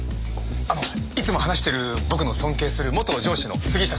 あのいつも話してる僕の尊敬する元上司の杉下さんです。